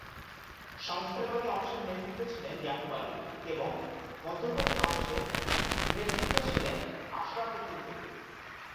সংস্কারবাদী অংশের নেতৃত্বে ছিলেন ইয়াকুব আলী এবং মধ্যপন্থী অংশের নেতৃত্ব ছিলেন আশরাফ উদ্দীন চৌধুরী।